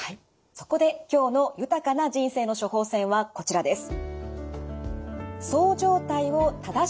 そこで今日の「豊かな人生の処方せん」はこちらです。